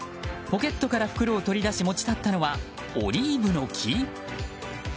ポケットから袋を取り出し持ち去ったのはオリーブの木？